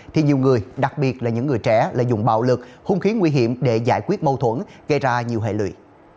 thì nhiều người đặc biệt là những người trẻ lợi dụng bạo lực hung khí nguy hiểm để giải quyết mâu thuẫn gây ra nhiều hệ lụy